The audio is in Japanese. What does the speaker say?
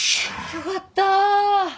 よかった！